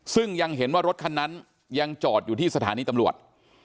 ซึ่งยังเห็นว่ารถคันนั้นยังจอดอยู่ที่สถานีตำรวจ